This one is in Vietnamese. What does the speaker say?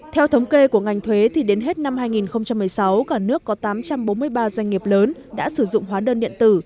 theo thống kê của ngành thuế thì đến hết năm hai nghìn một mươi sáu cả nước có tám trăm bốn mươi ba doanh nghiệp lớn đã sử dụng hóa đơn điện tử